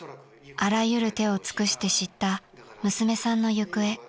［あらゆる手を尽くして知った娘さんの行方］